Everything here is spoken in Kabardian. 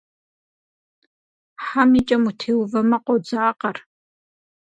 Хьэм и кӏэм утеувэмэ, къодзакъэр.